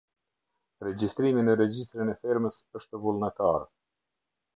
Regjistrimi në regjistrin e fermës është vullnetar.